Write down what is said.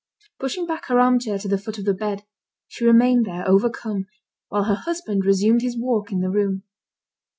Pushing back her armchair to the foot of the bed, she remained there overcome, while her husband resumed his walk in the room.